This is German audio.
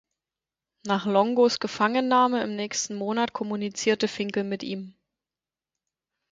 Nach Longos Gefangennahme im nächsten Monat kommunizierte Finkel mit ihm.